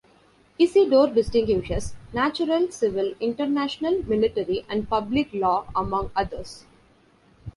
Isidore distinguishes natural, civil, international, military and public law among others.